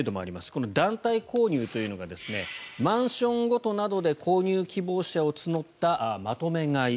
この団体購入というのがマンションごとなどで購入希望者を募ったまとめ買い。